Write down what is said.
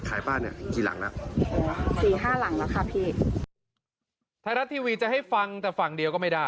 ตอนนี้จะให้ฟังแต่ฟังเดียวก็ไม่ได้